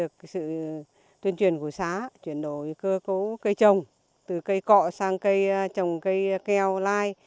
được sự tuyên truyền của xã chuyển đổi cơ cấu cây trồng từ cây cọ sang cây trồng cây keo lai